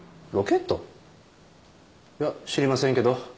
いや知りませんけど。